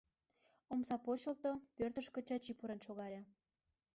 Омса почылто, пӧртышкӧ Чачи пурен шогале.